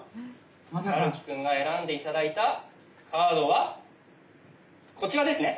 ハルキくんが選んで頂いたカードはこちらですね？